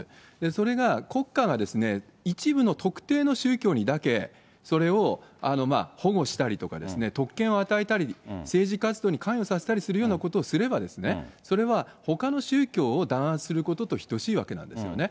それが国家が一部の特定の宗教にだけ、それを保護したりとか、特権を与えたり、政治活動に関与させたりするようなことをすれば、それはほかの宗教を弾圧することと等しいわけなんですね。